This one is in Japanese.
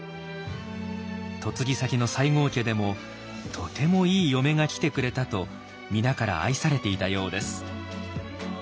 嫁ぎ先の西郷家でも「とてもいい嫁が来てくれた」と皆から愛されていたようです。